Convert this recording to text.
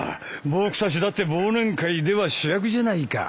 僕たちだって忘年会では主役じゃないか。